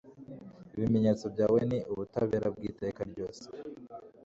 ibyemezo byawe ni ubutabera bw'iteka ryose